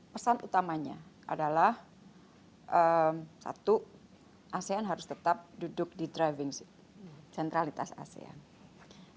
pesan utamanya adalah satu asean harus tetap duduk di driving seat sentralitas asean